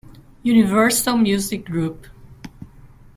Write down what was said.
Universal Music Group.